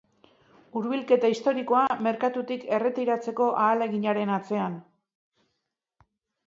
Hurbilketa historikoa merkatutik erretiratzeko ahaleginaren atzean.